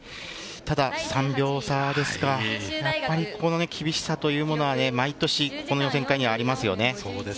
ただ３秒差ですか、やっぱり、ここの厳しさというのは毎年ここの予選会にはありますよね。